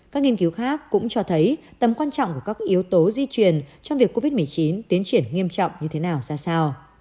các nghiên cứu khác cũng cho thấy tầm quan trọng của các yếu tố di truyền trong việc covid một mươi chín tiến triển nghiêm trọng như thế nào ra sao